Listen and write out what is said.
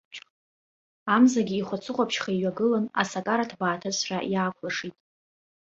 Амзагьы ихәацыхәаԥшьха иҩагылан, асакара ҭбаа-ҭыцәра иаақәлашеит.